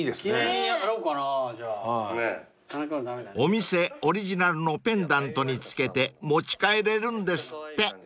［お店オリジナルのペンダントにつけて持ち帰れるんですって］